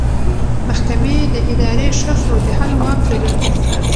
محکمې د اداري شخړو د حل واک لري.